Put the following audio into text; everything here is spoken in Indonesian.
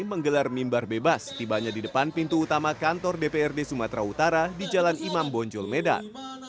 menggelar mimbar bebas tibanya di depan pintu utama kantor dprd sumatera utara di jalan imam bonjol medan